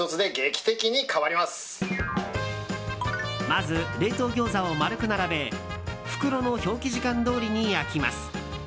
まず冷凍ギョーザを丸く並べ袋の表記時間どおりに焼きます。